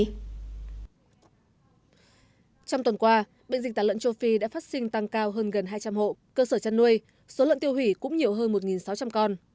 trong tuần qua bệnh dịch tả lợn châu phi đã phát sinh tăng cao hơn gần hai trăm linh hộ cơ sở chăn nuôi số lợn tiêu hủy cũng nhiều hơn một sáu trăm linh con